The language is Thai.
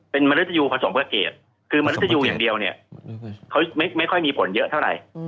เป็นมริตยูผสมเพื่อเกดคือมริตยูอย่างเดียวเนี่ยไม่ค่อยมีผลเยอะเท่าไหร่